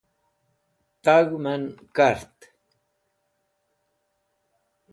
tag̃hem'en kart